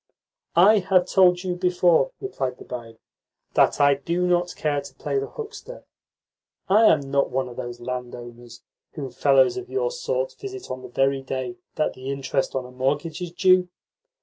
"I have told you before," replied the barin, "that I do not care to play the huckster. I am not one of those landowners whom fellows of your sort visit on the very day that the interest on a mortgage is due.